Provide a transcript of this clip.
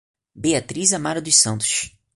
Beatriz Amaro dos Santos